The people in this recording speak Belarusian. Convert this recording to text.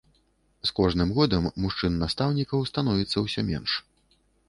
З кожным годам мужчын-настаўнікаў становіцца ўсё менш.